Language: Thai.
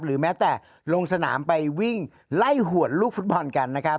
แม้แต่ลงสนามไปวิ่งไล่หวดลูกฟุตบอลกันนะครับ